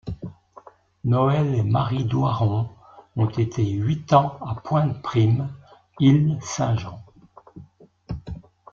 Noël et Marie Doiron ont été huit ans à Pointe Prime, Isle Saint-Jean.